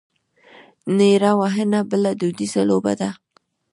نیره وهنه بله دودیزه لوبه ده.